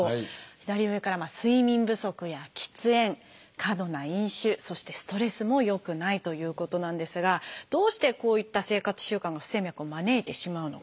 左上から睡眠不足や喫煙過度な飲酒そしてストレスも良くないということなんですがどうしてこういった生活習慣が不整脈を招いてしまうのか。